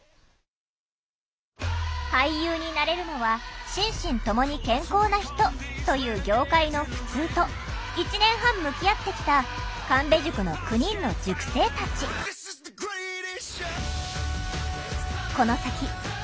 「俳優になれるのは心身ともに健康な人」という業界のふつうと１年半向き合ってきた神戸塾の９人の塾生たちこの先